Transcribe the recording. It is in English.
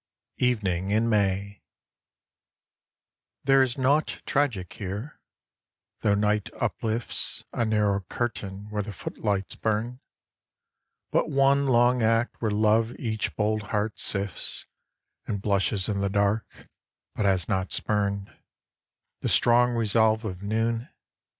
EVENING IN MAY There is nought tragic here, tho' night upHfts A narrow curtain where the footHghts burned, But one long act where Love each bold heart sifts And blushes in the dark, but has not spurned The strong resolve of noon.